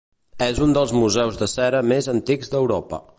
És un dels museus de cera més antics d'Europa.